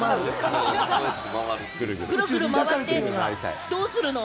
ぐるぐる回ってどうするの？